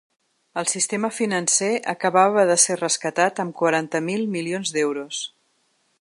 El sistema financer acabava de ser rescatat amb quaranta mil milions d’euros.